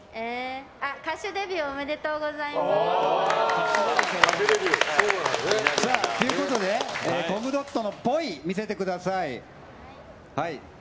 歌手デビューおめでとうございます！ということでコムドットの、っぽいを見せてください。